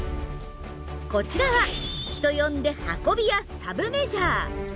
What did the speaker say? こちらは人呼んで「運び屋」サブメジャー。